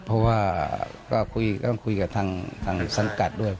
เพราะว่าก็ต้องคุยกับทางสังกัดด้วย